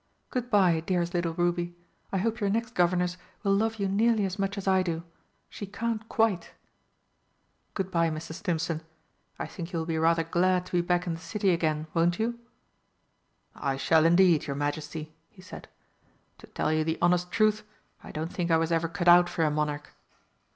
"Good bye, dearest little Ruby I hope your next governess will love you nearly as much as I do she can't quite! Good bye, Mr. Stimpson I think you will be rather glad to be back in the City again, won't you?" "I shall, indeed, your Majesty," he said. "To tell you the honest truth, I don't think I was ever cut out for a monarch."